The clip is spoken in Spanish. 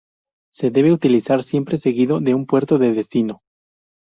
Se debe utilizar siempre seguido de un puerto de destino.